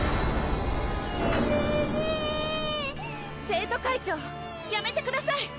生徒会長やめてください！